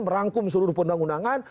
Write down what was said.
merangkum seluruh pendangunangan